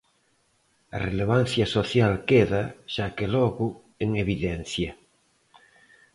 A relevancia social queda, xa que logo, en evidencia.